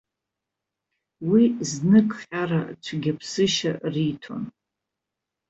Уи зныкҟьара цәгьаԥсышьа риҭон.